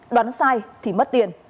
đoán sai thì mất tiền